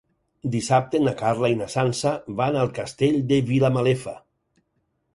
Dissabte na Carla i na Sança van al Castell de Vilamalefa.